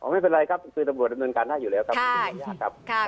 อ๋อไม่เป็นไรครับคือตำบวกดำเนินการท่านอยู่แล้วครับค่ะครับ